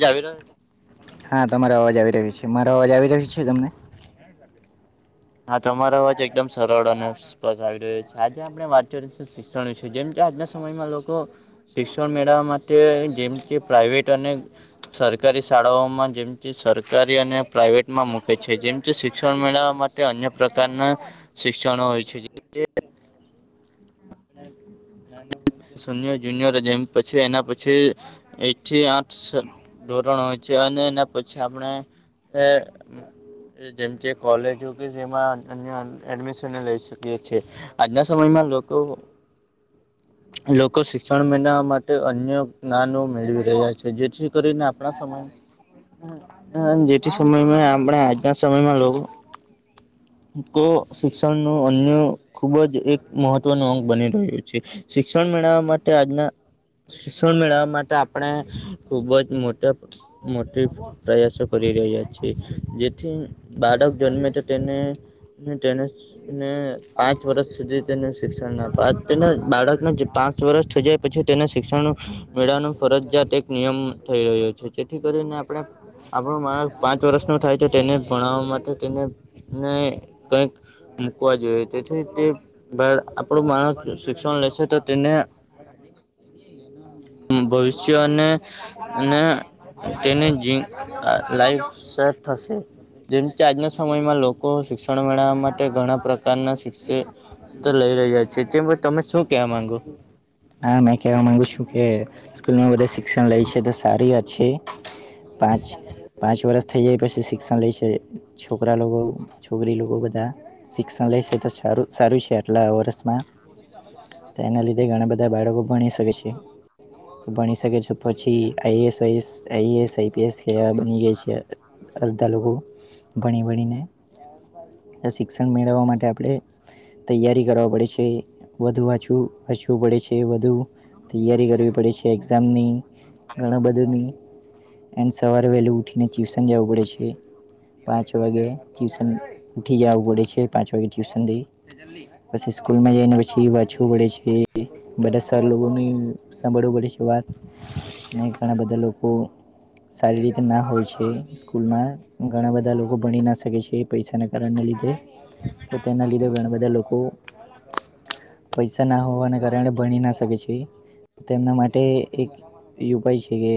જાવ રહ [unintelligible] હા તમારો અવાજ આવી રહ્યો છે મારો અવાજ આવી રહ્યો છે તમને? હા તમારો અવાજ એકદમ સરળ અનેપસ આવી રહ્યો છે આજે આપણે વા શિક્ષણ છે જેમ કે આજના સમયમાં લોકો શિક્ષણ મેળવવા માટે જેમ કે પ્રઇવેટ અને સરકારી શાળાઓમાં જેમથી સરકારી અને પ્રાઇવેટમાં મૂકે છે જેમ કે શિક્ષણ મેળવવા માટે અન્ય પ્રકારના. શિક્ષણો હોય છે જે સોનિયર જુનિયર જેમ પછી, એના પછી એથી આઠ ધોરણ હોય છે અને એના પછી આપણે જેમ જે કોલેજ કે જેમાં અ એડમિશન લઈ શકીએ. છે આજના સમયમાં લોકો લોકો શિક્ષણ મેનાવવા માટે અન્ય જ્ઞનો મેળવી રહ્યા છે જેથી કરીને આપણા સમાજ જેથી સમયમાં આપણે આજના સમયમાં લોકો કો શિક્ષણનું અન ખૂબ જ એક મહત્વનો અંંગ બની રહ્યો છે શિક્ષણ મેળવવા માટે આજના શિક્ષણ મેળવવા માટે આપણે ખુબ જ મોટ મોટી પ્રયાસ કરી રહહી્યા છે જેથી બાળક જન્મે તો તેને તેને ને પાંચ વર્ષ સુધી તેને શિક્ષણ ના આપ તેને બાળકને પાંચ વર્ષ થઈ જાય પછી તેને શિક્ષણ મેળા ન ફરજિયાત એક નિયમ થઈ રહ્યો છે જેથી કરીને આપણે આપણો માણસ પાંચ વર્ષ ન થાય છે તેને ભણાવવા માટે તેને ને કઈક મુકવા જોઈએ તેથી તે આપણો માણસ શિક્ષણ લેશે તો તેને ભવિષ્ય અને અને તેને લાઈફ સેટ થશે જેમ કે આજના સમયમાં લોકો શિક્ષણ મેળવવા માટે ઘણા પ્રકાર પ્રકાર ના શિક્ષ તો લઈ રહ્યા છે તે તમે શું કવા માંગો હા મેં કહેવા માંગુ છું કે સ્કૂલમાં બધા શિક્ષણ લે છે તો સારી છે પાંચ પાંચ વર્ષ થઇ જાય પછી શિક્ષણ લે છે છોકરા લોકો છોકરી લોકો બધા શિક્ષણ લેશે તો સારું સારું છે આટલા વર્ષમાં એના લીધે ઘણા બધા બધા બાળકો ભણી શકે છે ભણી શકે છે પછી આઈએસસ આઈએસ આઈપીએસ ખ બની ગઈ છે અડધા લોકો ભણી ભણીને આ શિક્ષણ મેળવવા માટે આપણે તૈયારી કરવા પડે છે વધુ વાચુંચવું પડે છે એ બુ તૈયારી કરવી પડે છે એક્ઝામની ઘણું બધુંની એ સવારે વહેલીું ઉઠી ને ટ્યુશન જવું પડે છે પાંચ વાગે ટ્યુશન ઉઠી જાવું પડે છે પાંચ વાગે ટ્યુશન થી પછી સ્કૂલમાં હી આયી ને પૂછવું પડે છે બધા સરર લોકોની સા બળો બ શવાત મેય ઘણા બધા લોકો સારી રીતે ના હોય છે સ્કૂલ માં ઘણા બધા લોકો ભણી ના શકે છે પૈસાના કારણને લીધે તો તેના લીધે ઘણા બધા લોકો પૈસા ના હોવા ને ક તેને ભણી ના શ હોય છે તેમના માટે એક ઉપાય છે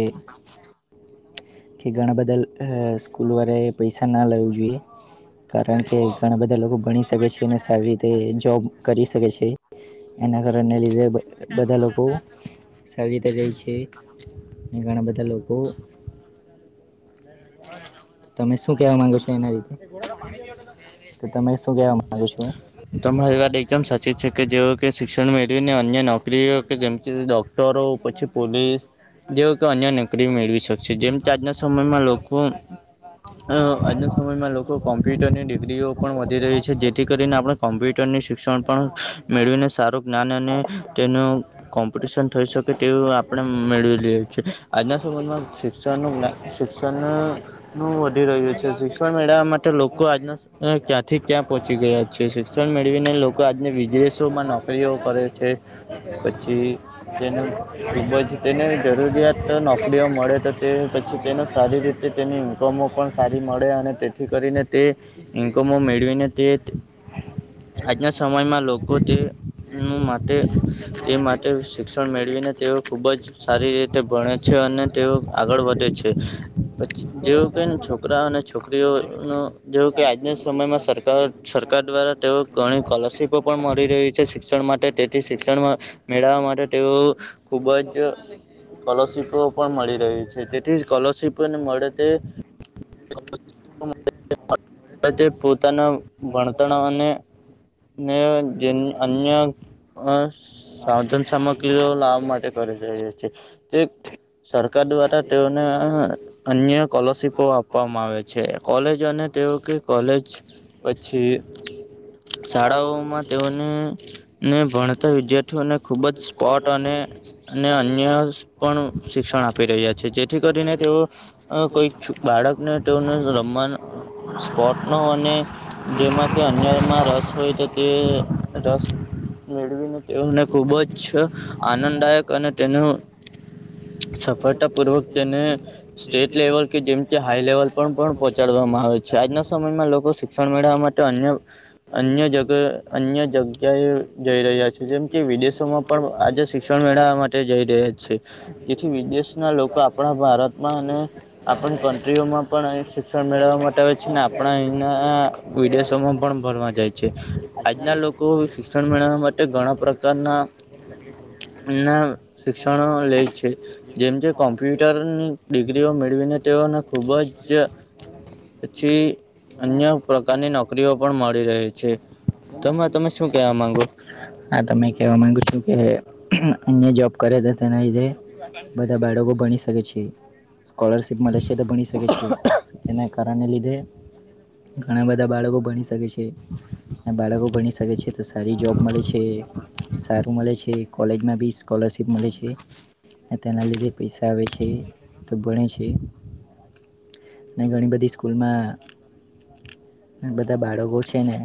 કે ઘણા બધા લ એ સ્કૂલ વાળા પૈસા ના લેવું જોઈએ કારણ કે ઘણા બધા લોકો ભણી શકે છે અને સારી રીત તે જોબ કરી શકે છે એના કરણ ને લીધે બધા લોકો સારી રીતે જાય છે અને ઘણા બધા લોકો તમે શું કેવા માંગો છો એના રીતે તો તમે શું કેવા માંગો છો તમારી વાત એકદમ સાચી છે કે જેઓ કે શિક્ષણ મેળવીને અન્ય નોકરી કે જે ડોક્ટરો પછી પોલીસ જેવો કે અન્ય નોકરી મેળવી શકશે જેમ આજના સમ સમય માં લોકો હ આજના સમયમાં લોકો કોમ્પ્યુટરની ડિગ્રીઓ પણ વધી રહી છે જેથી કરીને આપણે કોમ્પ્યુટરની શિક્ષણ પણ મેળવીને સારું જ્ઞાન અને તેનું કોમ્પિટિશન થઈ શકે તેવું આપણે મેળવી લઈએ છે આજના સમયમાં શિક્ષણનું જ્ઞા શિક્ષણ નું વધી રહ્યું છે શિક્ષણ મેળવવા માટે લોકો આજના તમે ક્યાં થી ક્યાં પહોંચી ગયા છે શિક્ષણ મેળવીને લોકો આજને વિઝનેસો માં નોકરીઓ કરે છે પછી તેનું ખૂબ જ તેને જરૂર તો નોકરીઓ મળેતો તે પછી તેનો સારી રીતે તેની ઇન્કમો પણ સારી મળે અને તેથી કરીને તે ઇન્કોમો મેળવીને તે આજના સમયમાં લોકો તે ઉ માટે તે માટે શિક્ષણ મેળવીને તેઓ ખુબ જ સારી રીતે ભણે છે અને તેઓ આગળ વધે છે. પછી જેવું કેને છોકરા અને છોકરીઓનું જેવું કે આજના સમયમાં સરકાર સરકાર દ્વારા તેઓ ઘણી સ્કોલરશીપો પણ મળી રહી છે શિક્ષણ માટે તેથી શિક્ષણમાં મેળવવા માટે તેવો અમે બગીચામાં લઈ જઈએ [unintelligible] સ્કોલરશીપો પણ મળી રહી છે તેથીજ સ્કોલરશીપો ને મળે તે [inaudible] [inaudible] અવે તે પોતાના ભણતણ અને ને જે અન્ય અસ સાધન સામગ્રીઓ લાવા માટે કરી રહ્યો છે તે સરકાર દ્વારા તેઓને હા અન્ય સ્લરશિપો આપવામાં આવે છે કોલેજ અને તેઓ કે કોલેજ પછી શાળાઓમાં તેઓને ને ભણતા વિદ્યાર્થીઓને ખુબ જ સ્પોટ અને અને અન્ય સ પણ અ પણ સી આપી રહ્યા છે જેથી કરીને તેઓ કોઈ છ બાળકને તેઓ ને રમવા ન સ્પોર્ટ નો અને જેમાં કે અન્યમાં રસ હોય તો તે રસ મેળવીને તેઓને ખુબ જ આનંદ દાયક અને તેનું સફળતા પૂર્વક તેને સ્ટેટ લેવલ કે જેમ કે હાઈ લેવલ પણ પણ પહોંચાડવામાં આવે છે આજના સમયમાં લોકો શિક્ષણ મેળવવા માટે અન્ય અન્ય જગ અન્ય જગ્યાએ જઈ રહ્યા છે જેમ કે વિદેશોમાં પણ આજે શિક્ષણ મેળવવા મા તે જઈ રહ્યા છે જેથી વિદેશના લોકો આપણા ભારતમાં અને આપણી કન્ટ્રીઓમાં પણ અ શિક્ષણ મેળવવા માટે છે ને આપણા અહીંના વિદેશોમાં પણ ભરવા જાય છે આજના લોકો શિક્ષણ મેળવવા માટે ઘણા પ્રકારના [inaudible] ના શિક્ષણો લે છે જેમ જે કોમ્પ્યુટરની ડિગ્રીઓ મેળવીને તેઓને ખૂબ જ પછી અન્ય પ્રકારની નોકરીઓ પણ મળી રહી છે તમે તમે શું કેવા માંગો આ તમે કહેવા માગુ છું કે અહીયા જોબ કરે છે તેના લીધે બધા બાળકો ભણી શકે છે સ્કોલરશીપ મળે છે તો ભણી શકે છે કારણ ના લીધે ઘણા બધા બાળકો ભણી શકે છે [inaudible] બાળકો ભણી શકે છે તો સારી જોબ કે સારું મલે છે કોલેજમાં બી સ્કોલરશીપ મલે છે અને તેના લીધે પૈસા આવે છે તો ભણે છે ને ઘણી બધી સ્કૂલમાં બધા બાળકો છે ને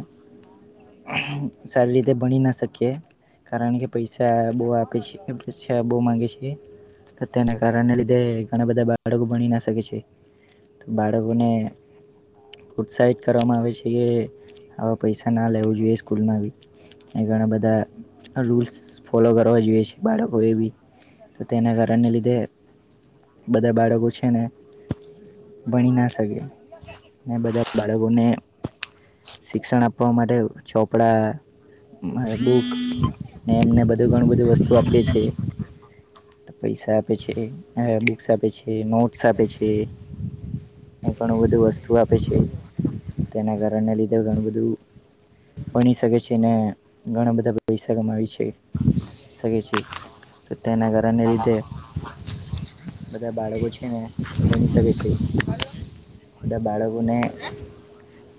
સારી રીતે ભણી ના શકીએ કારણ કે પૈસા બો આપે છે પછા બો માગે છે તેને કારણેને લીધે ઘણા બધા બાળકો ભણી ના શકે છે તો બાળકોને પ્રોત્સાહિત કરવામાં આવે છે અ પૈસા ના લેવું જોઈએ સ્કૂલમાં ભી અને ઘણા બધા રૂલ્સ ફોલો કરવા જોઈએ છે બાળકોએ બી. તો તેના કારણને લીધે, બધા બાળકો છે ને ભણી ના શકે ને બધા બાળકોને શિક્ષણ આપવા માટે ચોપડા બુક્સ ને એમને બધું ઘણું બધી વસ્તુ આપીએ છીએ પૈસા આપે છે બુક્સ આપે છે નોટ્સ આપે છે ઘણું બધું વસ્તુ આપે છે તેના કારણને લીધે ઘણું બધું ભણી શકે છે ને ઘણા બધા પૈસા કમાવી છે શકે છે. તો તેના કારણને લીધે બધા બાળકો છે ને, ભણી શકે છે. બાળકોને,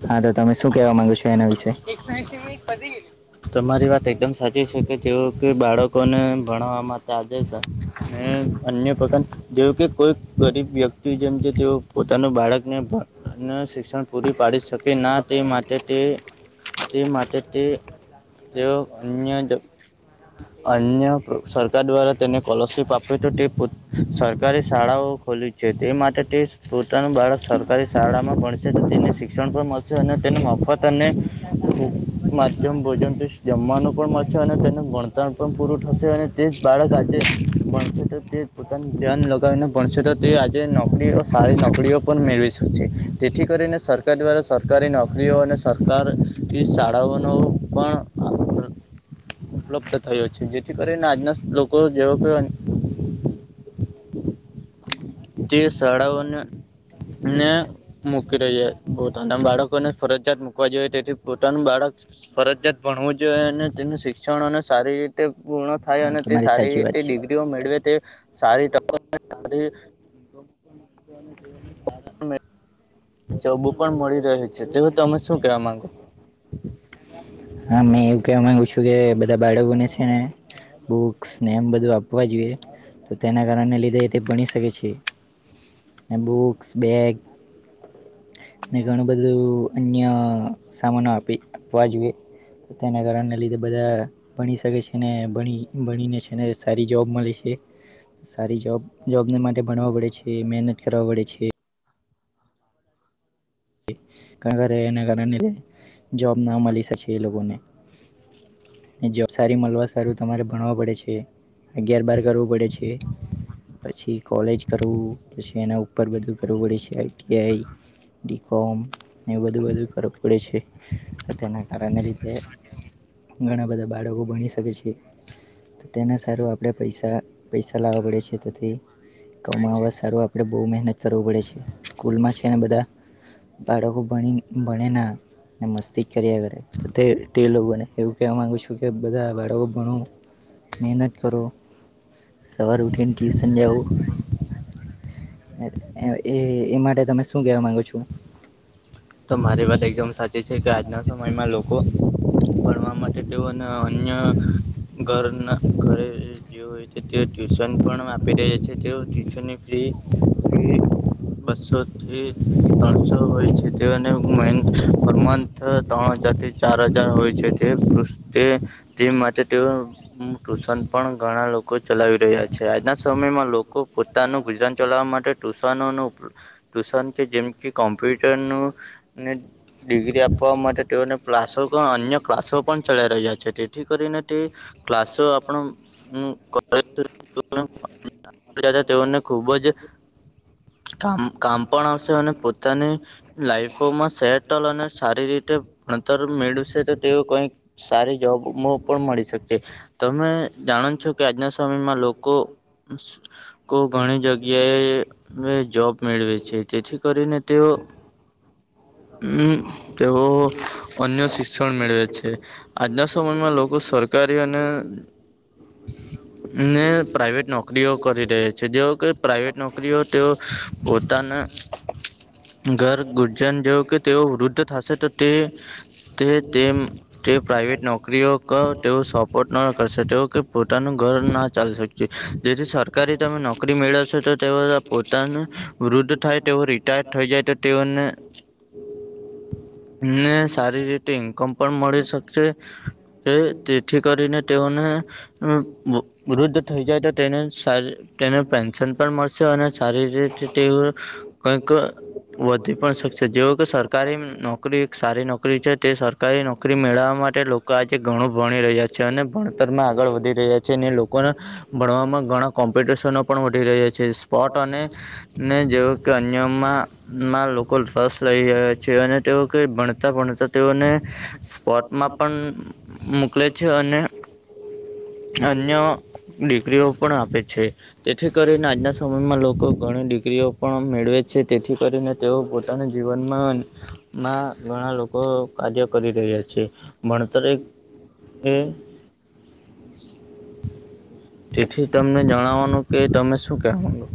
હા તો તમે શું કેવા માંગો છો એના વિશે? [unintelligible] તમારી વાત એકદમ સાચી છે કે તેવુ કઈ બાળકોને ભણાવવા માટે આડે છે અને અન્ય પતન [unintelligible] કોઈક ગરીબ વ્યક્તિ જેમ કે તેઓ પોતાના બાળકને ભ શિક્ષણ પૂરી પાડી શકે ના તે માટે તે તે માટે તે તેઓ અન્ય જ અન્ય સરકાર દ્વારા તેને કોલરશિપ આપે તો તે પટ સરકારી શાળાઓ ખોલી છે તે માટે તે પોતાનું બાળક સરકારી શાળામાં ભણશે તો તેને શિક્ષણ પણ મલશે અને તેને મફત અને ખૂબ માધ્યમ ભોજનથી જમવાનું પણ મલશે અને તેનું ભણતર પણ પૂરું થશે અને તે જ બાળક આજે ભણશે તો તે જ પોતાનું ધ્યાન લગાવીને ભણશે તો તે આજે નો કરીઓ સારી નોકરીઓ પણ મેળવી શકે છે, તેથી કરીને સરકાર દ્વારા સરકારી નોકરીઓ અને સરકાર તે શાળાઓનો પણ ઉપલબ્ધ થયો છે, જેથી કરીને આજના સ લોકો જેવો કે જે શાળાઓને ને મૂકી રહ્યા પોતાના બાળકોને ફરજિયાત મુકવા જોઈએ તેથી પોતાનું બાળક ફરજિયાત ભણવું જોઈએ અને તેનું શિક્ષણોને સારી રીતે પૂર્ણ થાય હા અને તે તમારી સારી સાચી રીતે વાત છે ડિ ગ્રીઓ મેળવે તે સારી [unintelligible] [inaudible] [unintelligible] જોબ પણ મળી રહે છે તેઓ તમે શું કેવા માંગો? હા મુ એવું કેવા માંગુ છું કે બધા બાળકોને છે ને બુક્સ ને એમ બધું આપવા જોઈએ તો તેના કારણ ને લીધે તે ભણી શકે છે. અન બુક્સ, બેગ ને ઘણું બધું અન્ય સામાનો આપી આપવા જોઈએ. પોતાના કારણ ને લીધે બધા ભણી શકે છે ને ભણી ભણીને છે ને સારી જોબ મળે છે. સારી જોબ જોબ ને માટે ભણવા પડે છે, મહેનત કરવા પડે છે. ઘણી વાર એ એને લગન ને, જોબ ના મળી શકે એ લોકોને. ને જોબ સારી મળવા સારું તમારે ભણવા પડે છે. અગિયાર બાર કરવું પડે છે. પછી કોલેજ કરવું, પછી એના ઉ પર બધું કરવું પડે છે I T I D com એવ બધું બધું કરવું પડે છે. તો તેના કારણને લીધે ઘણા બધા બાળકો ભણી શકે છે. તો તેના સારું આપણે પૈસા પૈસા લાવવા પડે છે, તેથી કમાવા સારુ આપડે બહુ મેહનત કરવું પડે છે. સ્કૂલમાં છે ને બધા બાળકો ભણી ભણે ના ને મસ્તી જ કર્યા કરે. તો તે ટેલો બને એવું કેવા માંગુ છું કે બધા બાળકો ભણવુ મહેનત કરો, સવારે ઉઠીને ટ્યુશન જાઓ. એ એ એ માટે તમે શું કવા માંગો છો? તમારી વાત એકદમ સાચી છે કે આજના સમયમાં લોકો ભણવા માટે તેઓને અન્ય ઘરના- ઘરે જે હોય તે તે ટ્યુશન પણ આપી રહ્યા છે તેઓ ટ્યુશન જે બસોથી પાણસો હોય છે. તેઓ ને હું મયંક પર મંથ તોણ હજારથી ચાર હજાર હોય છે તે તે ટીમ માટે તે ટ્યુશન પણ ઘણા લોકો ચલાવી રહ્યા છે. આજના સમયમાં લોકો- પોતાનું ગુજરાન ચલાવવા માટે- ટુશનો ટુશન કે જેમ કે કોમ્પ્યુટર નને- ડિગ્રી આપવા માટે તેઓને ક્લાસો અન્ય ક્લાસો પણ ચલાઈ રહ્યા છે. તેથી કરીને તે- ક્લાસ આણ [inaudible] તેઓને ખુબ જ- કામ કામ પણ આવશે અને પોતાની- લાઈફોમાં સહેટલ અને સારી રીતે ભણતર મેળવશે તે કઈક સારી જોબ- પણ મળી શકે તમે જાણો છો કે આજના સમયમાં લોકો -ઘણી જગ્યાએ જોબ મેળવે છે તેથી કરીને તેઓ- -હમ તેઓ અન્ય શિક્ષણ મેળવે છે. આજના સમયમાં લોકો સરકારી અને- ને પ્રાઇવેટ નોકરીઓ કરી ર છે. જેવ કે પ્રાઇવેટ નોકરીઓ તેઓ પોતાના ઘર ગુર્જન જો કે તેઓ વૃદ્ધ થશે તો તે- તે તેમ- -તે પ્રાઇવેટ નોકરીઓ તે સપોર્ટ ન કર કે પોતાનું ઘર ના ચાલ શકે જેથી સરકારી તમે નોકરી મેળવશો તો તેઓ પોતાનું વૃદ્ધ થાય તેઓ રિટાયર થઈ જાય તો- તેઓને [unintelligible] ને સારી રેટિંગ કમ પણ મળી શકશે- તેથી કરીને તેઓને વૃદ્ધ થઈ જાય તો તેનેારી- તેને પેન્શન પણ મળશે અને સારી રીતે તેવું કઈક- વધી પણ શકશે જેવ કે સરકારી નોકરી સારી નોકરી છે તે સરકારી નોકરી મેળવવા માટે- આજે ઘણું ભણી રહ્યા છે અને ભણતરમાં આગળ વધી રહ્યા છે અને લોકોના ભણવામાં ઘણા કોમ્પિટિશનો પણ વધી રહ્યા છે. સ્પટ અને- જેવ કે અજમમાં માં લોકો રસ લઈ રહ્યા છે. અને તેઓ ક ભણતા ભણતા તેઓને- કોર્ટમાં પણ મોકલે છે. અને અન્ય દીકરીઓ પણ આપે છે. તેથી કરીને આજના સમયમાં લોકો ઘણી ડિગ્રીઓ પણ મેળવે છે. તેથી કરીને તેઓ પોતાના જીવનમાં માં ઘણા લોકો કાર્ય કરી રહ્યા છે. ભણતર હમ [inaudible] તેથી તમને જણાવવાનું કે તમે શું કહેવાનું-